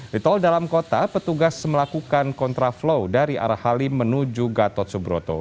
di tol dalam kota petugas melakukan kontraflow dari arah halim menuju gatot subroto